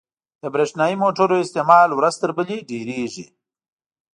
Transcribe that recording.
• د برېښنايي موټرو استعمال ورځ تر بلې ډېرېږي.